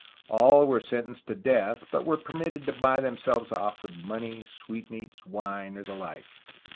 All were sentenced to death, but were permitted to buy themselves off with money, sweet meats, wine, or the like.